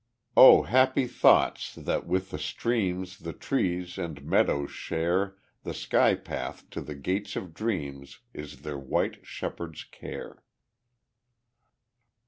Oh happy thoughts, that with the streams The trees and meadows share The sky path to the gate of dreams, In their white shepherd's care.